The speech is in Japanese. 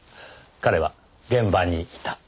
彼は現場にいた。